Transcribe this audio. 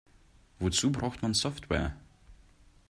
Wozu braucht man Software?